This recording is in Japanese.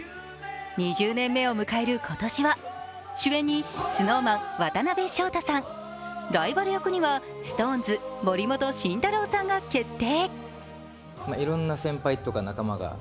２０年目を迎える今年は主演にＳｎｏｗＭａｎ・渡辺翔太さん、ライバル役には、ＳｉｘＴＯＮＥＳ森本慎太郎さんが決定。